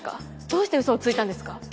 どうして嘘をついたんですか？